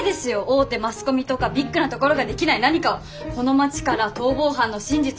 大手マスコミとかビッグなところができない何かをこの町から逃亡犯の真実を発信したいと！